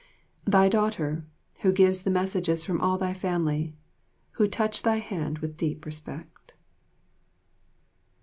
Thy daughter, who gives the messages from all thy family, who touch thy hand with deep respect.